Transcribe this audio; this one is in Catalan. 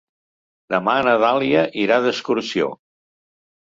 Demà na Dàlia irà d'excursió.